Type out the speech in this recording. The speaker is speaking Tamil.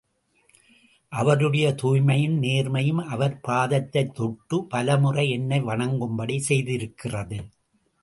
அவருடைய தூய்மையும் நேர்மையும் அவர் பாதத்தைத் தொட்டு, பலமுறை என்னை வணங்கும்படி செய்திருக்கிறது.